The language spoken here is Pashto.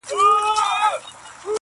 چي ناڅاپه مي ور وښودل غاښونه!!